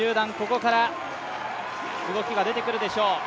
まだ集団、ここから動きが出てくるでしょう。